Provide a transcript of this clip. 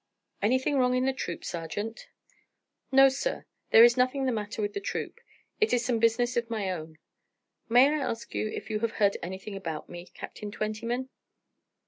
"Anything wrong in the troop, sergeant?" "No, sir; there is nothing the matter with the troop, it is some business of my own. May I ask if you have heard anything about me, Captain Twentyman?"